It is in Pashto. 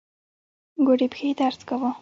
ګوډې پښې يې درد کاوه.